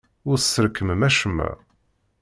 Ur tesrekmem acemma.